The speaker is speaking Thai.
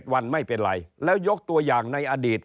วันไม่เป็นไรแล้วยกตัวอย่างในอดีต